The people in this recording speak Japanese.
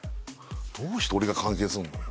どうして俺が関係すんのよ？